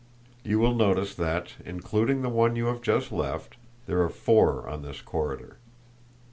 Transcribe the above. You will notice that, including the one you have just left, there are four on this corridor.